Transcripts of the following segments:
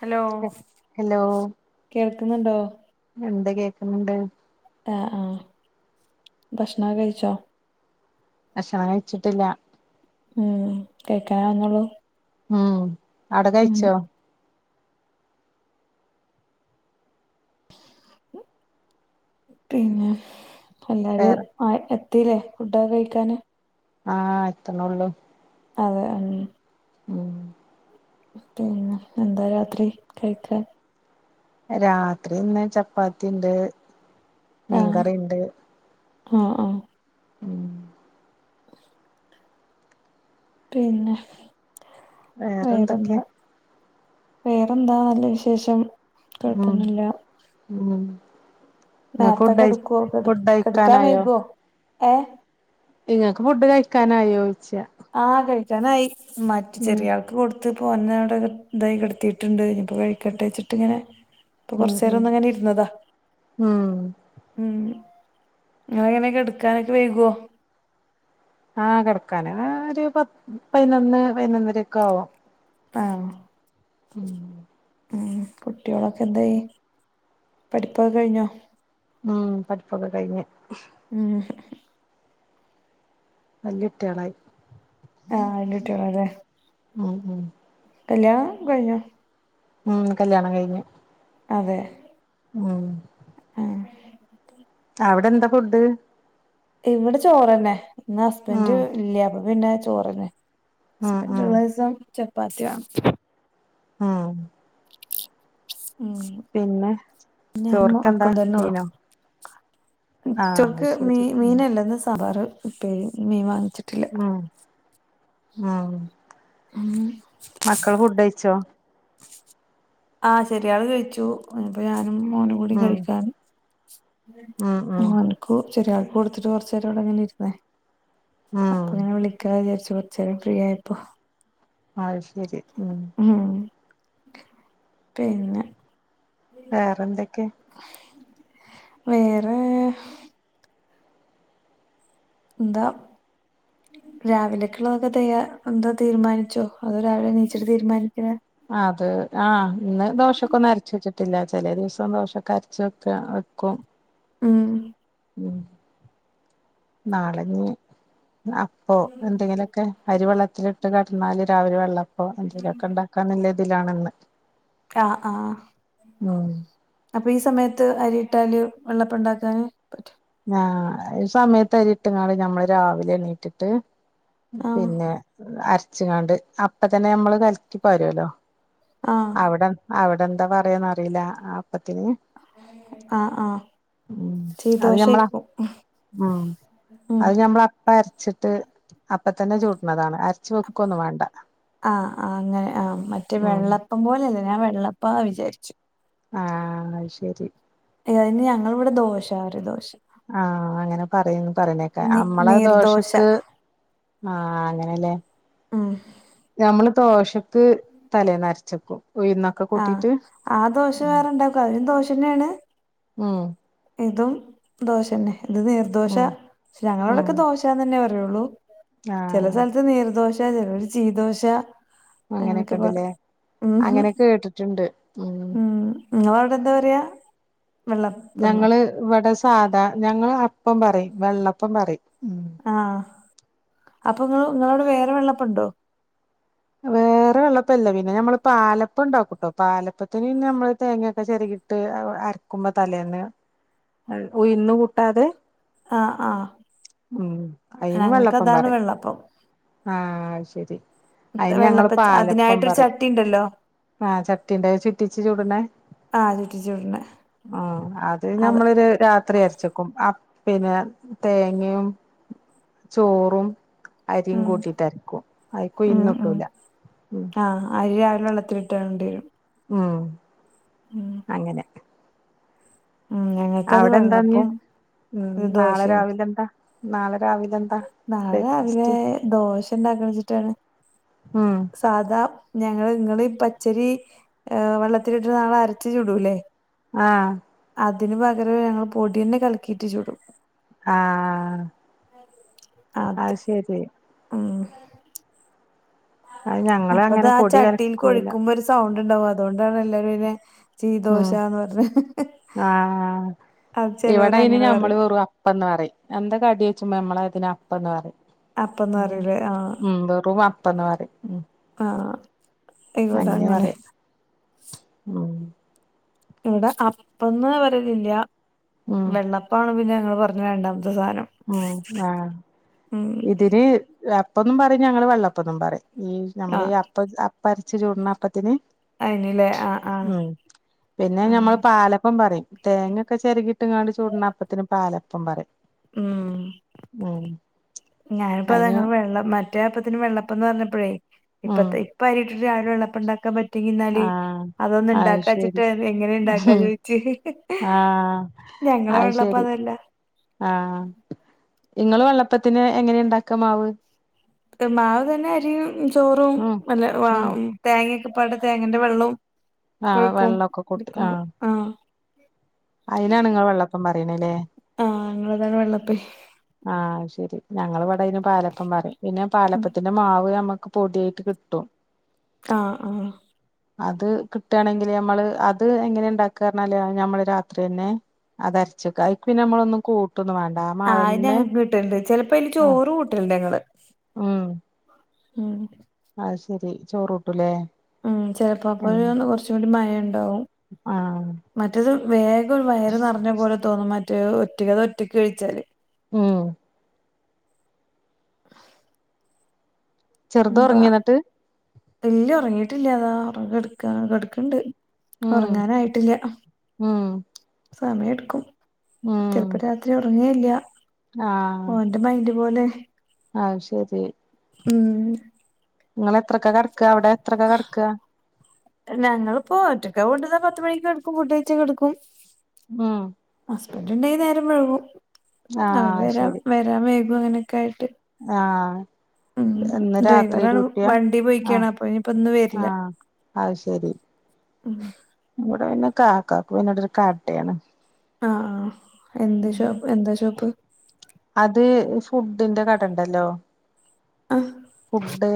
Hello കേൾക്ക്ന്ന്ണ്ടോ? ഉണ്ട് കേക്കുന്ന്ണ്ട്. ആഹ് ആഹ് ഭക്ഷ്ണക്കെ കഴിച്ചോ? ഭക്ഷണം കയ്ചിട്ടില്ല. ഉം കയ്ക്കാനാകുന്നൊള്ളൂ. ഉം അവ്‌ടെ കഴിച്ചോ? പിന്നെ എല്ലാരും വേറെ ആ എത്തില്ലേ ഫുഡൊ കഴിക്കാന്? ആഹ് എത്ത്‌നൊള്ളൂ. അതെ ഉം ഉം പിന്നെ എന്താ രാത്രി കഴിക്കാൻ. രാത്രി ഇന്ന് ചപ്പാത്തിണ്ട് ആഹ് മീൻകറിണ്ട്. ആഹ് ആഹ് ഉം പിന്നെ വേറെന്തൊക്കെ വേറെന്താ വേറെന്താ നല്ല വിശേഷം. ഉം കൊഴപ്പൊന്നുല്ല ഉം നിങ്ങക്ക് നേർത്തെ ഫുഡ് കെടുക്കുവോ കെട് ഫുഡ് കെട്ക്കാൻ കഴിക്കാനായോ വൈകോ ഏഹ് നിങ്ങക്ക് ഫുഡ് കഴിക്കാനായൊച്ച ആഹ് കഴിക്കാനായി മറ്റ് ചെറിയാക്ക് കൊടു ത്തു [unintelligible] ഇതായി കെടത്തിട്ട്ണ്ട് ഇപ്പോ കഴിക്കെട്ടച്ചിട്ട്ങ്ങനെ ഇപ്പൊ ഉം കൊറച്ചേരം ഉം ഒന്ന്ങ്ങനെ ഇരുന്നതാ ഉം ഉം ഇങ്ങളെങ്ങനെ കെടക്കാനൊക്കെ വൈകോ അഹ് കെടക്കാന് ഒരു പ പയിനൊന്ന് പയിനൊന്നരക്കെ ആവും ആഹ് ഉം ഉം കുട്ടികളൊക്കെ എന്തായി പഠിപ്പൊക്കെ കഴിഞ്ഞോ ഉം പഠിപ്പൊക്കെ കഴിഞ്ഞ് ഉം വല്ല്യേട്ട്യാളായി ആഹ് ലല്ല്യേട്ടിയാളാലേ ഉം ഉം കല്ല്യാണം കഴിഞ്ഞോ ഉം കല്യാണം കഴിഞ്ഞ് അതെ ഉം ഉം അവടെന്താ ഫുഡ് ഇവിടെ ചോറന്നെ ഇന്ന് ഉം ഹസ്ബൻ്റ് ഇല്ല അപ്പൊ പിന്നെ ചോറന്നെ ഉം ഹസ്ബൻ്റ് ഉം ഉള്ള ദിവസം ചപ്പാത്തി വാണം ആഹ് ഉം പിന്നെ ഞാൻ ചോറ്ക്കെന്താ മക്കളും തന്നെ ഉള്ളു മീനോ ആഹ് അത് ഉച്ചക്ക് മീ ശരി ഉം മീനല്ലെന്ന് സാമ്പാറ് ഉപ്പേരി ഇന്ന് മീൻ വാങ്ങിച്ചിട്ടി ഉം ഉം മക്കള് ഫുഡ്കഴിച്ചോ ആഹ് ചെറിയാള് കഴിച്ചു ഇഞ്ഞിപ്പൊ ഞാനും മോനും കൂടി ഉം കഴിക്കാന് ഉം ഉം മോൾക്കു ചെറിയാൾക്ക് കൊടുത്തിട്ട് കൊറച്ചേരം ഇവിടിങ്ങനെ ഇരുന്നേ ഉം അപ്പങ്ങനെ വിളിക്ക വിചാരിച്ചു കൊറച്ചേരം ഫ്രീ ആയപ്പോ അത് ശെരി ഉം ഉം പിന്നെ വേറെന്തൊക്കെ വേറെ എന്താ രാവിലെ‌ക്കിള്ളതൊക്കെ തെയ്യ എന്താ തീരുമാനിച്ചോ അതോ രാവിലെ എനീച്ചിട്ട് തീരുമാനിക്കലാ അത് ആഹ് ഇന്ന് ദോശൊക്കൊന്നും അരച്ച് വെച്ചിട്ടില്ല ചെലേ ദിവസം ദോശൊക്കെ അരച്ച് വെക്ക വെക്കും ഉം ഉം നാളെ ഇഞ്ഞി അപ്പോ എന്തെങ്കിലുംഒ ക്കെ അരിവെള്ളത്തിലിട്ട് കെടന്നാല് രാവിലെ വെള്ളപ്പോ എന്തേലൊക്കെ എണ്ടാക്കാന്നില്ല ഇതിലാണ് ഇന്ന് ആഹ് ആഹ് ഉം അപ്പൊ ഈ സമയത്ത് അരിയിട്ടാല് വെള്ളപ്പം എണ്ടാക്കാന് പറ്റൊ ആഹ് ഈ സമയത്ത് അരിട്ട്ങ്ങാണ്ട് ഞമ്മള് രാവിലെ എണീറ്റട്ട് ആഹ് പിന്നെ അരച്ചിങ്ങാണ്ട് അപ്പ തന്നെ നമ്മള് കലക്കി പകരോല്ലൊ ആഹ് അവടെ അവടെന്താ പറയാന്നറിയില്ല അ പ്പത്തിന് ആഹ് ആഹ് ഉം അത് ഞമ്മള ചീദോശായിരിക്കും ഉം ഉം അത് ഞമ്മള പ്പ അരച്ചി‌ട്ട് അപ്പ തന്ന ചുടണതാണ് അര ആഹ് ആഹ് അങ്ങനെ ആഹ് മറ്റെ ഉം വെള്ള പ്പം പോലല്ലെ ഞാൻ വെള്ളപ്പാ വിചാരിച്ചു. ആഹ് അത്‌ശെരി അയ്യൊ അതിന് ഞങ്ങളിവട ദോശ പറയും ദോശ ആഹ് അങ്ങന പറയുന്ന് പറയുന്നേക്കാ നീ അമ്മള നീർദോശ ദോശക്ക് ആഹ് അങ്ങനെല്ലേ ഉം ഞമ്മള് ദോശക്ക് തലേന്നരച്ചെക്കും ഉയ്ന്ന് ആഹ് ആ ദോശ വേറെണ്ടാക്കും അതിനും ദോശന്നേണ്. ഉം ഇതും ദോശന്നെ ഇത് നീർദോശ ഉം ക്ഷെ ഞങ്ങളവിടെക്ക ദോ ശാന്നന്നെ പറയൊള്ളു ചെല ആഹ് സ്ഥലത്ത് നീർദോശ ചെലര് ചീദോശ അങ്ങനൊക്കെ അങ്ങനെക്കെണ്ടല്ലേ പറയും ഉം ഹും അങ്ങനെ കേട്ടിട്ടെണ്ട് ഉം ഉം നിങ്ങളവിടെ എന്താ പറയാ വെള്ളപ്പന്നോ ഞങ്ങള് ഇവട സാധാ ഞങ്ങള് അപ്പം പറയും വെള്ളപ്പം പറയും ഉം ആഹ് അപ്പ നിങ്ങള് നിങ്ങളവിട വേറെ വെള്ളപ്പെണ്ടോ വേറെ വെള്ളപ്പവില്ല പിന്നെ ഞമ്മള് പാലപ്പം ഇണ്ടാക്കുട്ടോ പാലപ്പത്തിന് പിന്നെ നമ്മള് തേങ്ങയൊക്കെ ചെരകിയിട്ട് അര ക്കുമ്പ തലേന്ന് അഴ് ഉഴുന്ന് കൂട്ടാതെ ആഹ് ആഹ് ഉം അയ്ന് ഞങ്ങക്ക് വെള്ളപ്പം അതാണ് പറയും വെള്ളപ്പം ആഹ് ശെരി അയ്ന് ഞങ്ങള് വെള്ളപ്പ പാലപ്പം അതിനായിട്ടൊരു പറയും ചട്ടി ഇണ്ടല്ലോ ആഹ് ചട്ടീന്റെ ചുറ്റിച്ച് ചുടണെ ആഹ് ചുറ്റിച്ച് ചുടണെ ഉം അത് ഞമ്മളൊര് രാത്രി അരച്ച്‌ ക്കും ആ പിന്നെ തേങ്ങയും ചോറും അരിയും ഉം കൂട്ടീട്ട് അരക്കും അയിക്കും ഉം ഉഴുന്ന് ഉം കൂട്ടൂല ഉം ആഹ് അരി രാവിലെ വെള്ളത്തിലിട്ടാണ്ടി വരും ഉം ഉം അങ്ങന ഉം ഞങ്ങ അവിടെന്താ ഞ്ഞ് ഉം നാളെ ദോശയാണ് രാവിലെ എന്താ നാളെ രാവിലെ എന്താ നാളെ രാവിലെ ബ്രേക്ക്ഫാസ്റ്റ് ദോശ ഉണ്ടാക്കണം വെച്ചിട്ടാണ് ഉം സാധാ ഞങ്ങള് ഇങ്ങളീ പച്ചരി ഏഹ് വെള്ളത്തിലിട്ടിട്ട് നമ്മള് അരച്ച്‌ ചുടൂല്ലേ ആഹ് അതിന് പകരവെ ഞങ്ങള് പൊടി തന്നെ കലക്കീട്ട് ചുടും ആഹ് അത് ശരി ഉം അത് ഞങ്ങള് അപ്പ അങ്ങനെ അതാ പൊടി ചട്ടീലേക്ക്‌ കലക്കൂല ഒഴിക്കുമ്പോ ഒരു സൗണ്ട് ഉണ്ടാവും അതൊണ്ടാണ് എല്ലാരും അതിനേ ചീ ഉം ദോശാന്ന് പറഞ്ഞെ ആഹ് അത് ചെലോര് അങ്ങനെ പറയും അപ്പവെന്ന് പറയും എന്താ കടി ചോയ്ച്ചമ്പം നമ്മള് അതിന് അപ്പവെന്ന് പറയും അപ്പന്ന് ഉം പറയൂലേ ആഹ് ഉം വെറും അപ്പവെന്ന് പറയും ഉം ആഹ് ഇവിടെ അങ്ങനെയാ അങ്ങനെ പറയുക ഉം ഇവടെ അപ്പം എന്ന് പറയലില്ല ഉം വെള്ളപ്പാണ് പിന്നെ ഞങ്ങള് പറഞ്ഞ രണ്ടാമത്ത സാധനം ഉം ആ ഉം ഇതി അപ്പോന്നും പറയും ഞങ്ങള് വെള്ളപ്പോന്നും പറയും ഞമ്മള് ഈ ആഹ് അപ്പ അപ്പം അരച്ച് ചൂടണ അപ്പത്തിന് അതിനല്ലേ ആഹ് ആഹ് ഉം പിന്നെ ആഹ് ഞമ്മള് പാലപ്പം പറയും തേങ്ങയൊക്കെ ചെരകി ഇട്ടങ്ങാണ്ട് ചൂടണ അപ്പത്തിന് പാലപ്പം പറയും ഉം ഉം ഞാനിപ്പ അത് അയിന് ഇങ്ങള് വെള്ളം മറ്റേ അപ്പത്തിന് വെള്ളപ്പോന്ന് പറഞ്ഞപ്പോഴേ ഉം ഇപ്പത്തെ പരീക്ഷ രാവിലെ ഉള്ളപ്പണ്ടാക്കാൻ പ നീ ഇന്നാള് ആഹ് അതൊന്ന് അത് ഉണ്ടാക്കാ ശരി വെച്ചിട്ട് എങ്ങനെ ഉം ഇണ്ടാക്കാന്ന്‌ ചോതിച്ച് ആഹ് ഞങ്ങടെ അത് വെള്ളപ്പം ശരി അതല്ല ആഹ് ഇങ്ങള് വെള്ളപ്പത്തിന് എങ്ങനെ ഉണ്ടാക്ക മാവ് മാവ് തന്നെ അരിയും ചോറും ഉം അല്ല ഉം തേങ്ങൊക്കെ പാടെ തേങ്ങേന്റെ വെള്ളവും ആഹ് കൊഴിക്കും വെള്ളൊക്കെ അരക്കുമ്പോ ആഹ് അതിനാണ് നിങ്ങൾ വെള്ളപ്പം പറയണത് അല്ലേ ആഹ് ഞങ്ങളതാണ് വെള്ളപ്പേ ആഹ് ശരി ഞങ്ങൾ ഇവിടെ ഇന് പാലപ്പം പറയും പിന്നെ ഉം പാലപ്പത്തി ന്റെ മാവ് നമ്മുക്ക് പൊടിയായിട്ട് കിട്ടും ആഹ് ആഹ് അത് കിട്ടാണെങ്കിൽ ഞമ്മള് അത് എങ്ങനെ ഇണ്ടാക്ക പറഞ്ഞാല് അത് നമ്മള് രാത്രി തന്നെ അത് അരച്ചെക്ക അതിക്ക് പിന്നെ നമ്മളൊന്നും കൂട്ടൊന്നും വേണ്ട ആഹ് മാവെന്നെ ട്ടണ്ട് ചിലപ്പോ അയില് ചോറ് കൂട്ടല്ണ്ട് ഞങ്ങള് ഉം ഉം അത് ശരി ചോറൂട്ടുലേ ഉം ചെലപ്പോ അപ്പോഴന്ന് കുറച്ചും കൂടി മയ ഉണ്ടാവും ആഹ് മറ്റത് വേഗം വയറ് നിറഞ്ഞ പോലെ തോന്നും മറ്റേ ഒറ്റക്ക് അത് ഒറ്റക്ക് കഴിച്ചാല് ഉം [inaudible] ചെറുത് ഒറങ്ങിയോ എന്നിട്ട് ഇല്ല്യ ഒറങ്ങീട്ടില്ല അതാ ഒറങ്ങി കെട്ക്കാണ് കെട്ക്ക്ണ്ട് ഉം ഉറങ്ങാനായിട്ടില്ല ഉം സമയം ഇടുക്കും ഉം ചിലപ്പോ രാത് ത്രി ഉറങ്ങേയില്ല ആഹ് ഓരോ മൈൻഡ് പോലെ ആഹ് ശരി ഉം ഇങ്ങൾ എത്രക്കെ കിടക്ക അവിടെ എത്രക്ക കെടക്ക ഞങ്ങളിപ്പോ ഒറ്റൊക്കെ കൊണ്ടുന്നാ പത്ത് മണിക്ക് കടക്കും ഫുഡയിച്ച് കിടക്കും ഉം ഹസ്ബൻഡ് ഇണ്ടെങ്കി നേരം വൈകും അവര് ആഹ് വരാ ശരി വരാൻ വൈകും അങ്ങനെയൊക്കെ ആയിട്ട് ആഹ് ഉം ഇന്ന് രാത്രി ഡ്രൈവറാണ് ഡൂട്ടിയാ വണ്ടി പോയിക്കാണ് ആഹ് അപ്പൊ ഇനിയിപ്പോ ഇന്ന് വരില്ല ആഹ് അത് ശരി ഉം ഇവ്ടെ പിന്നെ കാക്കാക്കും പിന്നെ ഇവിടെ ഒരു കടയാണ് ആഹ് എന്ത് ഷോപ്പ് എന്താ ഷോപ്പ് അത് ഫുഡിന്റെ കട ഇണ്ടല്ലോ ആഹ് ഫുഡ്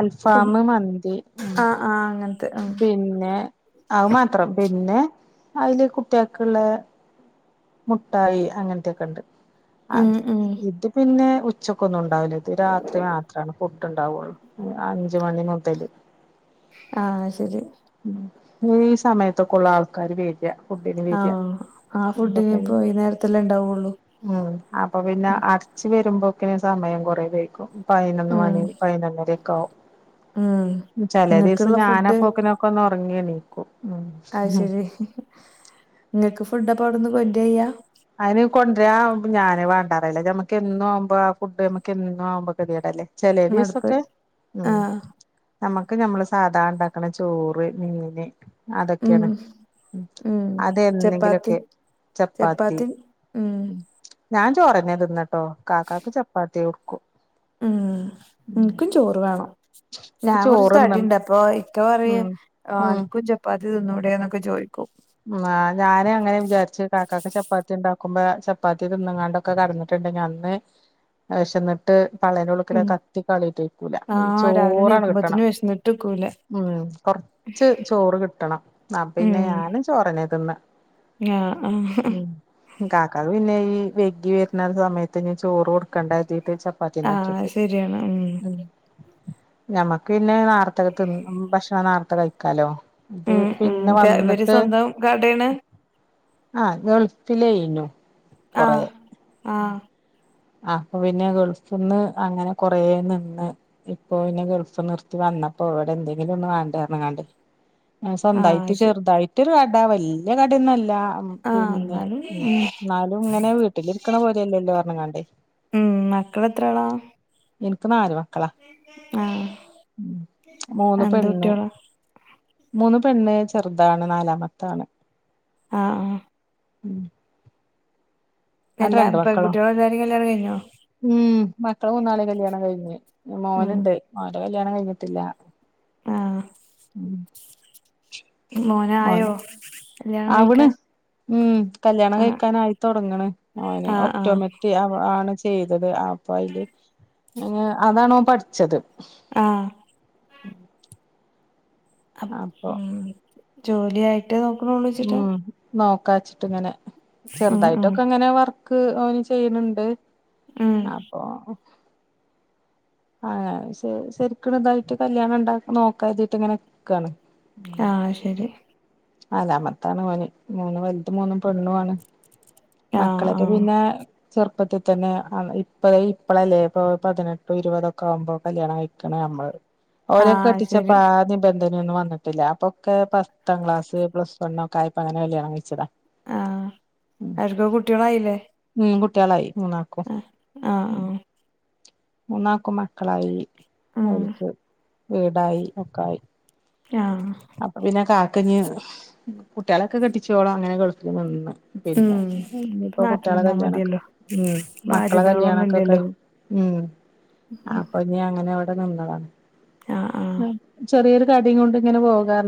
അൽഫാം ഫുഡ് മന്തി ഉം ആഹ് അങ്ങന പിന്നെ അത് മാത്രം പിന്നെ അയില് കുട്ട്യാൾക്ക്ള്ള മുട്ടായി അങ്ങനത്തെയൊക്കെ ഉണ്ട് ഉം അത് ഉം ഇത് പിന്നെ ഉച്ചക്കൊന്നു ണ്ടാവൂല ഇത് രാത്രി മാത്രാണ് ഫുഡ് ഉണ്ടാവുള്ളൂ അഞ്ചു മണി മുതല് ആഹ് ശരി ഉം ഈ സമയത്തൊക്കെ ഉള്ളൂ ആൾക്കാര് വര ആഹ് ആഹ് ഫുഡ്‌ ഇനി ഇപ്പോ വൈനേരത്തെല്ലേ ഉണ്ടാവുള്ളൂ ഉം അപ്പൊ പിന്നെ അടച്ച് വരുമ്പോക്കിന് സമയം കൊറേ വൈകും പതിനൊന്ന് ഉം മണി പതിനൊന്നരക്കെ ആവും ഉം ചില ഇങ്ങക്കുള്ള ദിവസം ഫുഡ് ഞാനപ്പോക്കിന് ഒന്ന് ഉറങ്ങി എണീക്കും അത് ഉം ശരി ഇങ്ങക്ക് ഫുഡ് അപ്പ അവിടെന്ന് കൊണ്ടരാ ചെയ്യാ അയിന് കൊണ്ടരാ ഞാന് വേണ്ടാന്നറിയലാ ഞമ്മക്ക് എന്നും ആവുമ്പോ ആ ഫുഡ് നമ്മക്ക് എന്നും ആവുമ്പോ ഗതി കേടല്ലേ ചൊല മടുപ്പ് ദിവസൊക്കെ ഉം ആഹ് നമ്മക്ക് നമ്മള് സാധാ ഇണ്ടാക്ക്ണ ചോറ് മീന് ഉം അതൊക്കെയാണ് ഉം അത് ചപ്പാത്തി എന്നെങ്കിലൊക്കെ ചപ്പാത്തി ഉം ഞാൻ ചോറെന്നെ തിന്നാട്ടോ കാക്കാക്ക് ചപ്പാത്തി കൊടുക്കും ഉം ഉം ഇൻക്കും ചോറ് വേണം. ഇൻക്ക് ഞാൻ കൊറച്ച് ചോറ് തിന്ന തടിണ്ട് അപ്പോ ഇക്ക പറയും. ഉം ആഹ് ഉം അനക്കും ഇജ് ചപ്പാത്തി തിന്നൂടെന്നൊക്ക ചോയിക്കും. ആഹ് ഞാന് അങ്ങനെ വിചാരിച്ച് കാക്കാക്ക് ചപ്പാത്തി ഇണ്ടാക്കുമ്പൊ ചപ്പാത്തി തിന്ന്ങ്ങാണ്ട്. ഒക്ക കിടന്നിട്ട്ണ്ടെങ്കി അന്ന് വെശന്നിട്ട്. ട്ട് പള്ളേനെ ഉള്ളിക്കൂടി ഉം കത്തി കാളീട്ട് വെയ്ക്കൂല. ചോറണ് വുമ്പത്തിന് വെശന്നിട്ട്ക്കൂല. ഉം കൊറ്ച്ച് ചോറ് കിട്ടണം. ആഹ് ഉം പിന്നെ ഞാന്. ചൊറന്നെ തിന്ന. ആഹ് ആഹ് കാക്കാക് പിന്നെ ഈ വെഗ്ഗി വരുന്ന സമയത്ത് ഇഞി ചോറ് കൊടുക്കണ്ടാര്തീട്ട്. ച പ്പാത്തി ആഹ് ഇണ്ടാക്യേത്. ശരിയാണ് ഉം ഞമ്മക്ക് പിന്നെ നേർത്തെക തിന്ന ഭക്ഷണം നേർത്ത കഴിക്കാലോ? ഇത് പിന്ന വന്നിട്ട്. കടേന്ന് ആഹ് ഗൾഫിലെയ്നു. കൊറേ ആഹ് ആഹ് ആഹ് അപ്പൊ പിന്നെ ഗൾഫ്ന്ന് അങ്ങനെ കൊറേ നിന്ന്. ഇപ്പൊ പിന്നെ ഗൾഫ് നിർത്തി വന്നപ്പൊ ഇവിടെ എന്തെങ്കിലും ഒന്ന് വേണ്ടെ പർഞ്ങ്ങാണ്ട് ആഹ് സ്വന്തായിട്ട് ചെറുതായിറ്റൊരു കട വല്യ കടെന്നു അല്ല. ആഹ് പിന്നെ എന്നാലും ഉം ഇന്നാലും ഇങ്ങനെ വീട്ടിലിരിക്ക്ണ. പോലെയല്ലലൊ പറഞ്ഞ്ങ്ങാണ്ട് ഉം മക്കള് എത്രാളാ. ഇൻക്ക് നാല് മ ക്കള ആഹ് മൂന്ന് എന്ത് പെണ്ണ്. കുട്ടികളാ മൂന്ന് പെണ്ണ് ചെറുതാണ് നാലാമത്താണ്. ആഹ് ആഹ് ഉം ആടെ എല്ലാ രണ്ട് പെൺ മക്കളോ കുട്ടീളൊ എല്ലാരി കല്ല്യാണം കഴിഞ്ഞോ? ഉം മക്കളെ മൂന്നാളിം കല്യാണം കഴിഞ്ഞു ഉം മോനുണ്ട് മോൻ്റ കല്യാണം കഴിഞ്ഞിട്ടില്ല. ആഹ് ഉം മോൻ മോനായോ കല്യാണം അവണ് കഴിക്കാൻ. ഉം കല്ല്യാണം ആഹ് കഴിക്കാനായിത്തൊടങ്ങ്ണ് ഓന് ആഹ് ആഹ് ഒക്ടോമറ്റ് ആണ്. ചെയ്തത് അപ്പൊ അയില് അതാണൊ പഠിച്ചത്. ആഹ് അപ്പൊ ഉം ജോലി ആയിട്ടെ നോക്ക്ണൊ ഉം നോക്കാച്ചിട്ട് ഇങ്ങനെ ഉം ഉം ചെറ്തായിട്ടൊക്ക ഇങ്ങനെ വർ ക് ഓന് ചെയ്യ്ണ് ണ്ട്. ഉം അപ്പൊ ആഹ് ശരിക്ക്ണ് ഇതായിട്ട് കല്യാണം ഇണ്ടാക്ക നോക്ക കർതീട്ട് ഇങ്ങനെ നിക്കാണ്. ആഹ് ശരി നാലമത്താണ് ഓന് മൂന്നും വൽത് മൂന്നും പെണ്ണുആണ്. ആഹ് മക്കളൊക്ക ആഹ് പിന്നേ. ചെറുപ്പത്തി തന്നെ ഇപ്പ ഇപ്പളല്ലെ ഇപ്പോ പതിനെട്ടു ഇരുപതൊ. ക്കാവുമ്പൊ കല്യാണം കഴിക്ക്ണെ നമ്മള് ഓരെക്കെ ആഹ് കെട്ടിച്ചപ്പൊ ശരി ആദ്യം. ബന്തിനൊന്നും വന്നിട്ടില്ല അപ്പൊക്കെ പത്താം ക്ലാസ് പ്ലസ് വണ്ണൊക്കായപ്പൊ അങ്ങനെ കല്യാണം. കഴിച്ചത ആഹ് അവർക്കു കുട്ടീളായിലെ ഉം കുട്ടീളായി മൂന്നാക്കും ആഹ് ആഹ് മൂന്നാക്കും മക്കളായി ഉം അവര്ക്കു വീടായി ഒക്കായി ആഹ് അപ്പൊ പിന്നെ കാക്ക ഞ്ഞ് കുട്ടികളൊക്കെ കെട്ടിച്ചോളോ അങ്ങനെ ഗൾഫിന്ന് വന്ന് നിന്ന് ഉം പിന്നെ ഇനി ഇപ്പം കുട്ടികളെ നാട്ടിലിരുന്നാ കല്യാണൊക്കെ മതിയല്ലോ ഉം മക്കളെ കല്യാണൊക്കെ ബാധ്യതകളൊന്നുംല്ലല്ലോ കഴിഞ്ഞു ഉം അപ്പൊ ഞ്ഞി അങ്ങനെ അവിടെ നിന്നതാണ് ആഹ് ആഹ് മ് ചെറിയൊരു കടയും കൊണ്ട് ഇങ്ങനെ പോകാർനാ